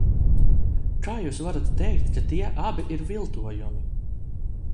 Kā jūs varat teikt, ka tie abi ir viltojumi?